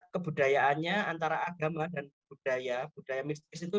kebudayaannya antara agama dan budaya budaya mistis itu